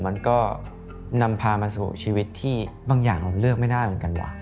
มันก็นำพามาสู่ชีวิตที่บางอย่างเราเลือกไม่ได้เหมือนกันว่ะ